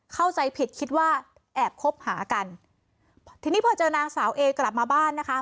เข้าใจผิดคิดว่าแอบคบหากันทีนี้พอเจอนางสาวเอกลับมาบ้านนะคะ